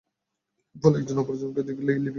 ফলে একজন অপরজনকে নিজের লিপিকা থেকে হাদীস শোনাতেন।